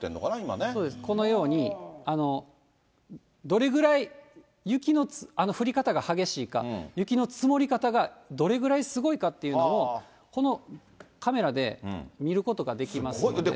このように、どれぐらい、雪の降り方が激しいか、雪の積もり方がどれぐらいすごいかっていうのを、このカメラで見ることができますので。